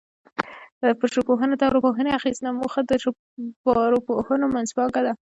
پر ژبپوهنه د ارواپوهنې اغېز نه موخه د ژبارواپوهنې منځپانګه ده